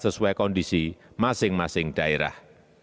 sesuai kondisi masing masing daerah